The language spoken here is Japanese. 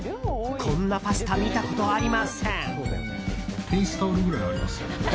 こんなパスタ見たことありません。